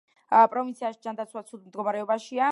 პროვინციაში ჯანდაცვა ცუდ მდგომარეობაშია.